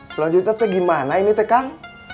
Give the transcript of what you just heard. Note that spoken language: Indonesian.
selanjutnya teh gimana ini teh kang